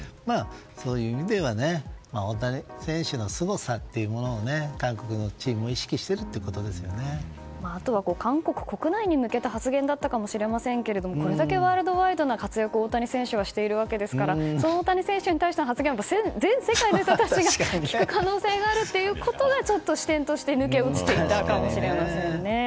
そういう意味では大谷選手のすごさというものを韓国のチームもあとは韓国国内に向けた発言だったかもしれませんけどこれだけワールドワイドな活躍を大谷選手はしているわけですからその大谷選手への発言は全世界の人たちが聞く可能性があるということがちょっと視点として抜け落ちていたかもしれませんね。